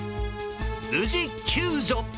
無事、救助。